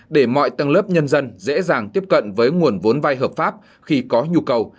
để mọi tầng lớp nhân dân dễ dàng tiếp cận với nguồn vốn vai hợp pháp khi có nhu cầu